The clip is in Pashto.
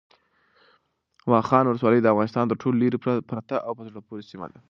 واخان ولسوالۍ د افغانستان تر ټولو لیرې پرته او په زړه پورې سیمه ده.